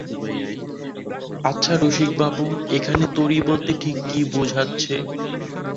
আচ্ছা রসিকবাবু, এখানে তরী বলতে ঠিক কী বোঝাচ্ছে?